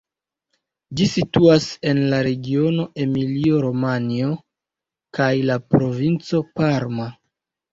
Ĝi situas en la regiono Emilio-Romanjo kaj la provinco Parma.